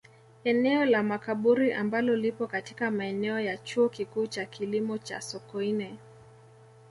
Eneo la Makaburi ambalo lipo katika maeneo ya Chuo Kikuu cha Kilimo cha Sokoine